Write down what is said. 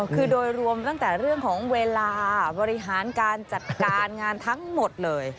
คือโดยรวมตั้งแต่เรื่องของเวลาบริหารการจัดการงานทั้งหมดเลย